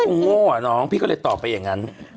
โง่อ่ะน้องพี่ก็เลยตอบไปอย่างนั้น